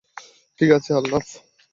ঠিক আছে, আলতাফ।